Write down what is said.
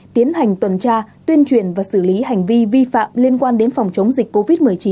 tiến hành tuần tra tuyên truyền và xử lý hành vi vi phạm liên quan đến phòng chống dịch covid một mươi chín